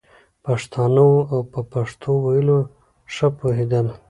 پښتانه وو او په پښتو ویلو ښه پوهېدل.